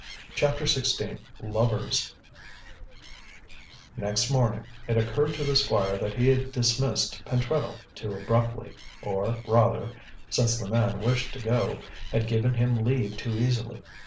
CHAPTER XVI LOVERS Next morning, it occurred to the Squire that he had dismissed Pentreddle too abruptly, or, rather since the man wished to go had given him leave too easily.